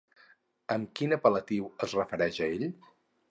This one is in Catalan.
Amb quin apel·latiu es referien a ell?